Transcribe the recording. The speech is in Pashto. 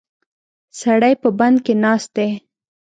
سړی په بند کې ناست دی.